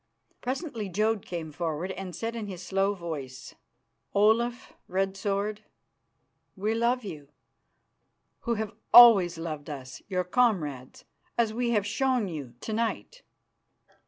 Presently Jodd came forward and said in his slow voice: "Olaf Red Sword, we love you, who have always loved us, your comrades, as we have shown you to night.